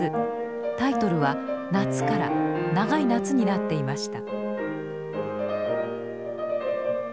タイトルは「夏」から「長い夏」になっていました。